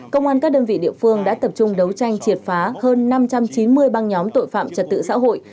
công an các đơn vị địa phương đã tập trung đấu tranh triệt phá hơn năm trăm chín mươi băng nhóm tội phạm trật tự xã hội